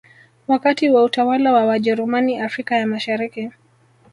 Wakati wa utawala wa Wajerumani Afrika ya Mashariki